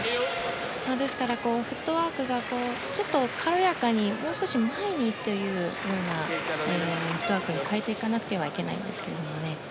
ですから、フットワークがちょっと軽やかにもう少し前にというようなフットワークに変えていかなくてはいけないんですけれどもね。